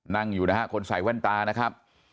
นั่งอยู่นะฮะคนใส่แว่นตานะครับ